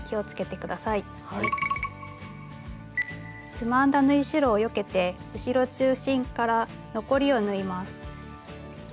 つまんだ縫い代をよけて後ろ中心から残りを縫います。